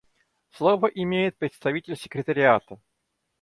Слово имеет представитель Секретариата.